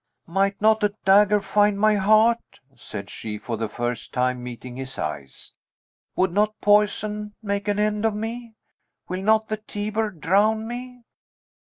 "Might not a dagger find my heart?" said she, for the first time meeting his eyes. "Would not poison make an end of me? Will not the Tiber drown me?"